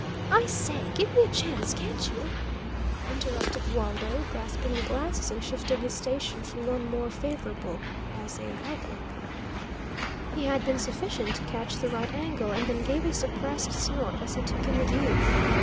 "I say, give me a chance, can't you?" interrupted Waldo, grasping the glasses and shifting his station for one more favourable as a lookout. He had seen sufficient to catch the right angle, and then gave a suppressed snort as he took in the view.